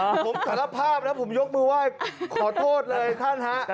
ผมสารภาพนะผมยกมือไหว้ขอโทษเลยท่านฮะ